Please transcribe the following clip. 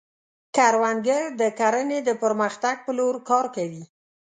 کروندګر د کرنې د پرمختګ په لور کار کوي